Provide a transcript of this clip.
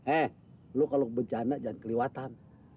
eh lu kalau bercanda jangan keliwatan